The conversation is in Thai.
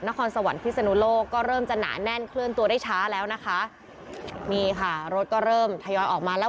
นครสวรรค์พิศนุโลกก็เริ่มจะหนาแน่นเคลื่อนตัวได้ช้าแล้วนะคะนี่ค่ะรถก็เริ่มทยอยออกมาแล้ว